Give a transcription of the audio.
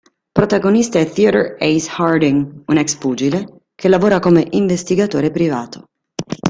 Protagonista è Theodore "Ace" Harding, un ex-pugile che lavora come investigatore privato.